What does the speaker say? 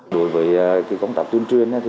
đối với công tác tuyên truyền